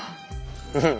うん。